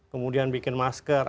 kemudian bikin masker